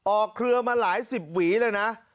เครือมาหลายสิบหวีเลยนะ